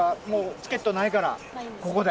チケットないから、ここで。